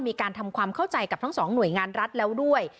มีการทำความเข้าใจกับทั้งสองหน่วยงานรัฐแล้วด้วย